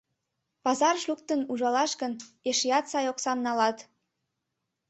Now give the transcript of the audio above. Пазарыш луктын ужалаш гын, эшеат сай оксам налат.